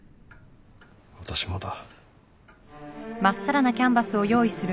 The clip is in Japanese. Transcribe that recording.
私もだ。